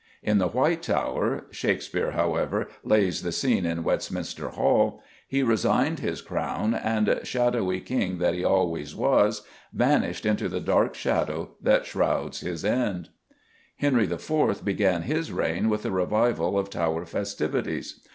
In the White Tower Shakespeare, however, lays the scene in Westminster Hall he resigned his crown, and, shadowy king that he always was, vanished into the dark shadow that shrouds his end. Henry IV. began his reign with a revival of Tower festivities.